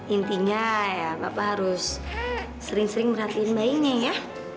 intinya ya bapak harus sering sering merhatiin bayinya ya